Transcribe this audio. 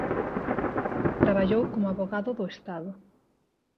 Traballou como avogado do Estado.